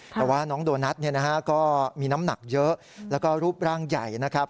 แต่ว่าน้องโดนัทก็มีน้ำหนักเยอะแล้วก็รูปร่างใหญ่นะครับ